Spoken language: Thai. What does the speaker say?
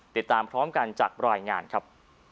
ติดตามพร้อมกันจากรายงานครับ